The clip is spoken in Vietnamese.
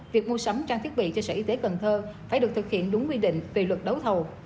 việc mua sắm trang thiết bị cho sở y tế cần thơ phải được thực hiện đúng quy định về luật đấu thầu